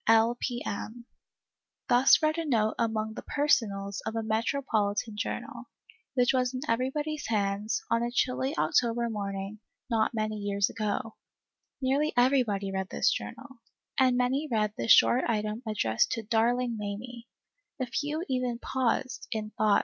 l. p. m." > Thus read a note among the " Personals " of a metropolitan journal, which was in everybody's hands, on a chilly October morning, not many years ago. Nearly everybody read this journal, and many read the short item addressed to "Darling Mamie;" a few even paused, in thought, 2 ALICE ; OR, THE WAGES OF SIN.